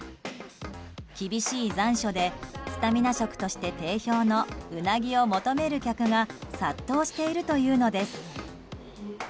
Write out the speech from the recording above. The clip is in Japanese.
厳しい残暑でスタミナ食として定評のウナギを求める客が殺到しているというのです。